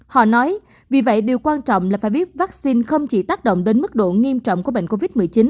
họ nói vì vậy điều quan trọng là phải biết vaccine không chỉ tác động đến mức độ nghiêm trọng của bệnh covid một mươi chín